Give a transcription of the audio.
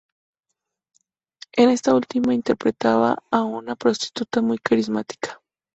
En esta última interpretaba a una prostituta muy carismática.